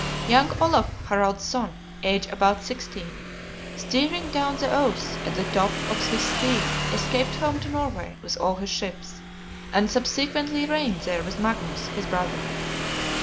Young Olaf, Harald's son, age about sixteen, steering down the Ouse at the top of his speed, escaped home to Norway with all his ships, and subsequently reigned there with Magnus, his brother.